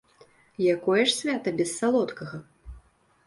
Якое ж свята без салодкага?